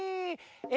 え